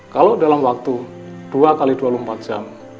kalau dalam waktu dua x dua puluh empat jam